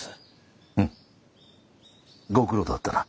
うむご苦労だったな。